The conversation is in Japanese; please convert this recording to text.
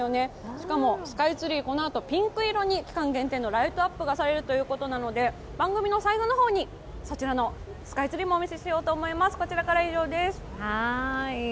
しかも、スカイツリーこのあとピンク色の期間限定のライトアップがされるということなので番組の最後の方にそちらのスカイツリーもお見せしたいと思います。